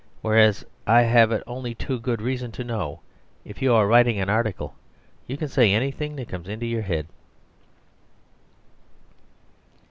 Whereas, as I have only too good reason to know, if you are writing an article you can say anything that comes into your head.